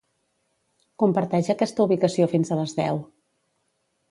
Comparteix aquesta ubicació fins a les deu.